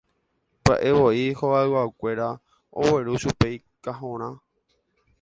Py'aevoi hogayguakuéra ogueru chupe ikahõrã.